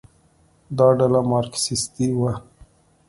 دا ډله مارکسیستي وه.